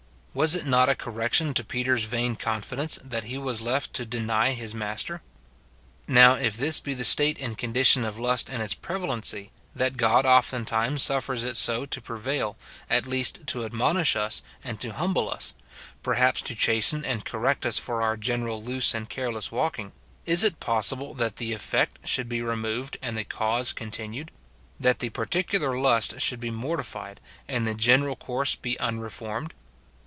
"f Was it not a correction to Peter's vain confidence, that he was left to deny his Master ? Now, if this be the state and condition of lust in its pre valency, that God oftentimes suffers it so to prevail, at least to admonish us, and to humble us, perhaps to chasten and correct us for our general loose and careless walking, is it possible that the effect should be removed and the * Rom. i. 26. . f 2 Cor. xii. 7. SIN IN BELIEVERS. 219 cause continued, — that the particular lust should be mor tified and the general course be unreformed